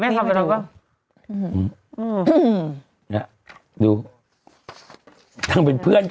แม่ทำมึงก็